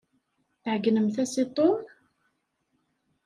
Tɛegnemt-as i Tom?